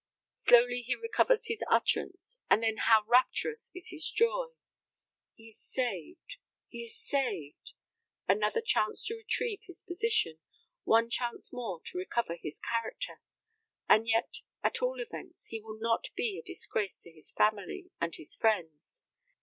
Slowly he recovers his utterance, and then how rapturous is his joy! He is saved, he is saved! Another chance to retrieve his position, one chance more to recover his character! As yet, at all events, he will not be a disgrace to his family and his friends.